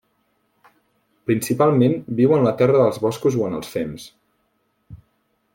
Principalment viu en el terra dels boscos o en els fems.